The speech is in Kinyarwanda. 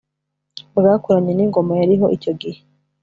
bwakoranye n'ingoma yariho icyo gihe